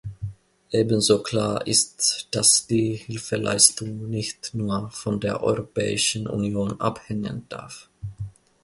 Ebenso klar ist, dass die Hilfeleistung nicht nur von der Europäischen Union abhängen darf.